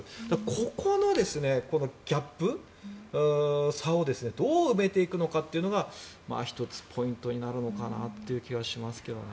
ここのギャップ、差をどう埋めていくのかというのが１つポイントになるのかなという気がしますけどね。